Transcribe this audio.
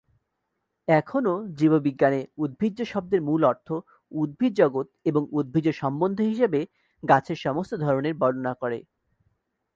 এখনও জীববিজ্ঞানে উদ্ভিজ্জ শব্দের মূল অর্থ "উদ্ভিদ জগৎ" এবং "উদ্ভিজ্জ সমন্ধে" হিসাবে, গাছের সমস্ত ধরনের বর্ণনা করে।